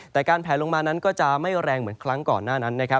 แต่การแผลลงมานั้นก็จะไม่แรงเหมือนครั้งก่อนหน้านั้นนะครับ